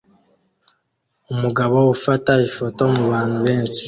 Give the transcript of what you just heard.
Umugabo ufata ifoto mubantu benshi